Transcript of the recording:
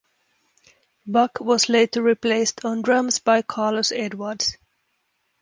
Buck was later replaced on drums by Karlos Edwards.